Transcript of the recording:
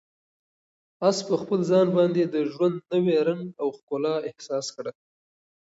آس په خپل ځان باندې د ژوند نوی رنګ او ښکلا احساس کړه.